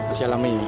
masih alami ini